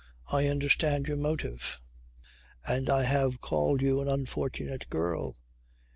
I understand your motive. And I have called you an unfortunate girl.